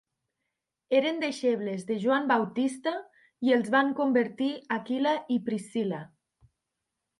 Eren deixebles de Joan Bautista i els van convertir Aquila i Priscilla.